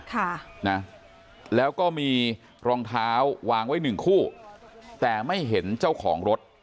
ค่ะนะแล้วก็มีรองเท้าวางไว้หนึ่งคู่แต่ไม่เห็นเจ้าของรถ